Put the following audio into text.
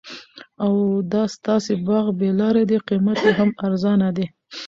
او دا ستاسي باغ بې لاري دي قیمت یې هم ارزانه دي